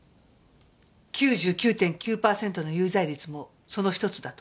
９９．９パーセントの有罪率もその１つだと？